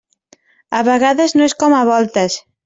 A vegades no és com a voltes.